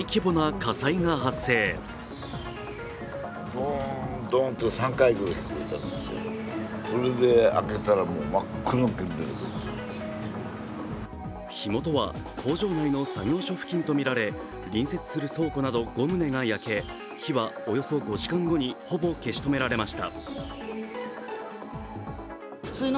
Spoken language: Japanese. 火元は、工場内の作業場付近とみられ、隣接する倉庫など５棟が焼け火はおよそ５時間後にほぼ消し止められました。